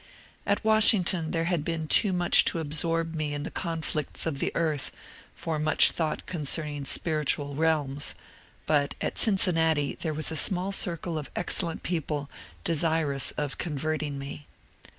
At Washington there had been too much to absorb me in the conflicts of the earth for much thought concerning spir itual realms, but at Cincinnati there was a small circle of excellent people desirous of converting me.